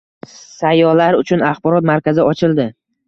Sayyohlar uchun axborot markazi ochildi